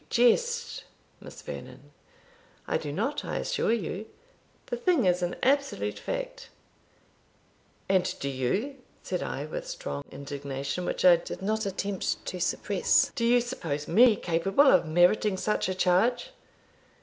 "You jest, Miss Vernon!" "I do not, I assure you the thing is an absolute fact." "And do you," said I, with strong indignation, which I did not attempt to suppress, "do you suppose me capable of meriting such a charge?"